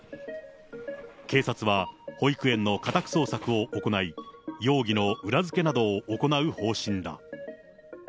警察は、保育園の家宅捜索を行い、容疑の裏付けなどを行う方針だ。